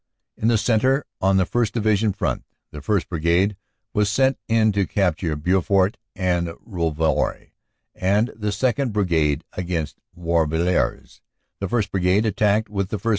In the centre, on the 1st. Division front, the 1st. Brigade was sent in to capture Beaufort and Rouvroy and the 2nd. Brigade against Warvillers. The 1st. Brigade attacked with the 1st.